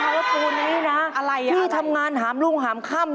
่ล่ะคนที่ทำงานหามรุงหามค่ำ